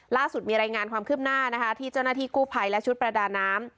ล่าสุดมีรายงานความคืบหน้านะคะที่เจ้าหน้าที่กู้ภัยและชุดประดาน้ำ